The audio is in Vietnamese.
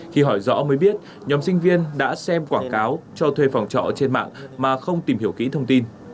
khi hỏi rõ mới biết nhóm sinh viên đã xem quảng cáo cho thuê phòng trọ trên mạng mà không tìm hiểu kỹ thông tin